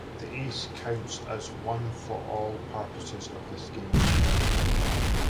The Ace counts as one for all purposes of this game.